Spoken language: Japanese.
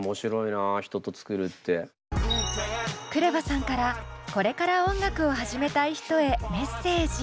ＫＲＥＶＡさんからこれから音楽を始めたい人へメッセージ。